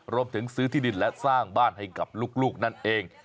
รวมถึงซื้อที่ดินและสร้างบ้านให้กับลูกนั่นเอง